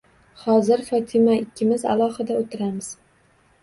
Hozir Fotima ikkimiz alohida oʻtiramiz.